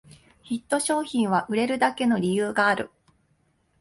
ヒット商品は売れるだけの理由がある